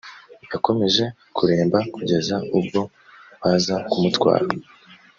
yakomeje kuremba kugeza ubwo baza kumutwara